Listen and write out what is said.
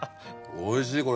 おいしいこれ。